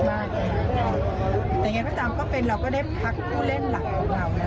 แต่ยังไงก็ตามก็เป็นเราก็ได้พักผู้เล่นหลักของเรา